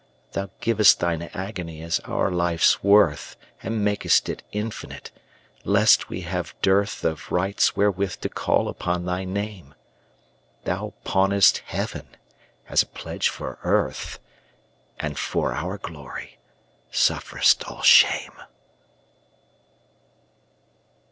Thou giv'st Thine agony as our life's worth, And mak'st it infinite, lest we have dearthOf rights wherewith to call upon thy Name; Thou pawnest Heaven as a pledge for Earth, And for our glory sufferest all shame.